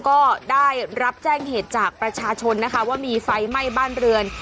ก็ได้รับแจ้งเหตุจากประชาชนนะคะว่ามีไฟไหม้บ้านเรือน